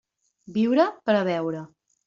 Viure per a veure.